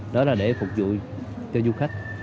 đó là để phục vụ cho du khách